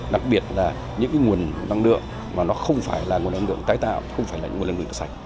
đặc biệt là những nguồn năng lượng mà nó không phải là nguồn năng lượng tái tạo không phải là nguồn năng lượng sạch